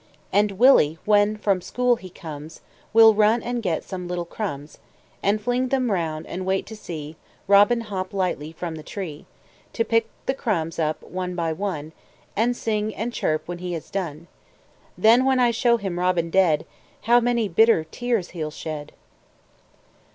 And Willy, when from school he comes, Will run and get some little crumbs, And fling them round, and wait to see Robin hop lightly from the tree, To pick the crumbs up, one by one, And sing and chirp, when he has done; Then when I show him Robin dead, How many bitter tears he'll shed!